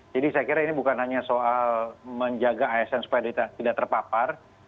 jadi saya kira ini bukan hanya soal menjaga asn supaya tidak terpapar